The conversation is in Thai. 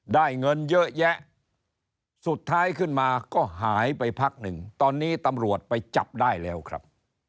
ได้เงินเยอะแยะสุดท้ายขึ้นมาก็หายไปพักหนึ่งตอนนี้ตำรวจไปจับได้แล้วครับ